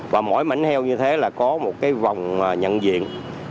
và mỗi mảnh heo như thế là có một cái vòng nhận diện